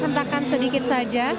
hentakan sedikit saja